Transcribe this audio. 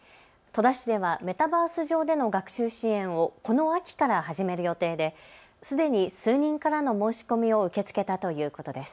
戸田市ではメタバース上での学習支援をこの秋から始める予定ですでに数人からの申し込みを受け付けたということです。